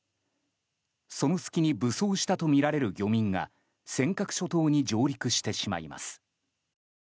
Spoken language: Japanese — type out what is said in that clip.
その隙に武装したとみられる漁民が尖閣諸島に上陸してしまいます。